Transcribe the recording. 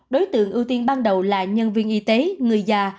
đối tượng ưu tiên ban đầu là nhân viên y tế người già